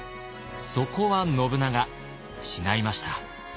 そこは信長違いました。